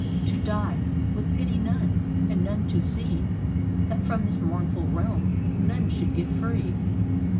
To die, with pity none, and none to see That from this mournful realm none should get free.